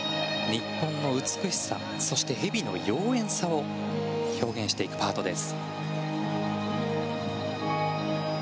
日本の美しさそして、蛇の妖えんさを表現していくパートです。